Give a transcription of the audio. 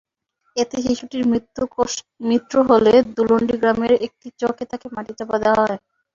এতেশিশুটির মৃত্যু হলে ধুলন্ডী গ্রামের একটি চকে তাকে মাটিচাপা দেওয়া হয়।